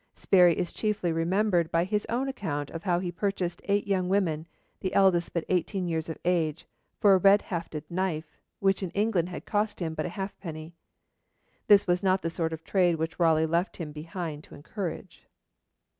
Sparrey is chiefly remembered by his own account of how he purchased eight young women, the eldest but eighteen years of age, for a red hafted knife, which in England had cost him but a halfpenny. This was not the sort of trade which Raleigh left him behind to encourage.